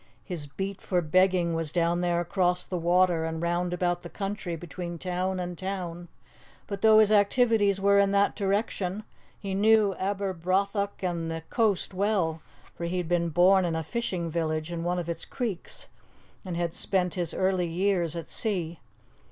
His beat for begging was down there across the water and round about the country between town and town; but though his activities were in that direction, he knew Aberbrothock and the coast well, for he had been born in a fishing village in one of its creeks, and had spent his early years at sea.